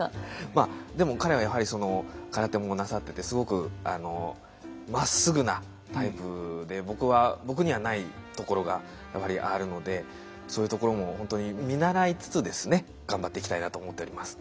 まあでも彼はやはり空手もなさっててすごく真っ直ぐなタイプで僕にはないところがやっぱりあるのでそういうところも本当に見習いつつですね頑張っていきたいなと思っております。